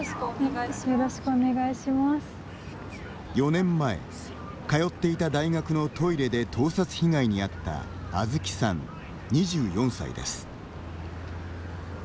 ４年前、通っていた大学のトイレで盗撮被害に遭ったあずきさん、２４歳です。